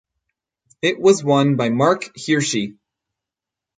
It was won by Marc Hirschi.